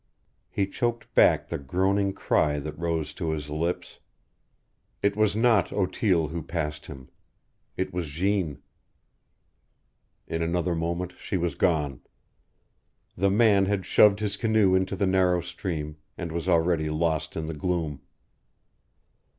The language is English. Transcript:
He choked back the groaning cry that rose to his lips. It was not Otille who passed him. It was Jeanne. In another moment she was gone. The man had shoved his canoe into the narrow stream, and was already lost in the gloom.